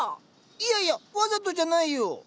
いやいやわざとじゃないよ。